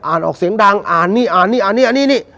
อ่านออกเสียงดังอ่านนี้นี่อ่านนี้